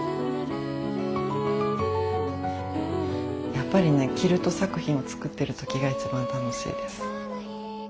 やっぱりねキルト作品を作ってる時が一番楽しいです。